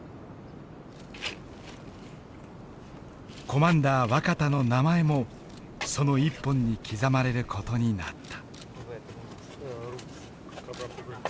コマンダー若田の名前もその一本に刻まれる事になった。